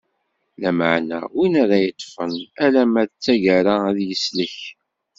Lameɛna, win ara yeṭṭfen alamma d taggara ad yeslek.